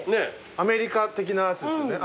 アメリカ的なやつですよね。